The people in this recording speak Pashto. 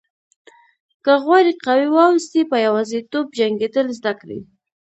که غواړئ قوي واوسئ په یوازیتوب جنګېدل زده کړئ.